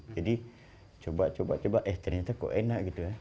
coba coba eh ternyata kok enak gitu ya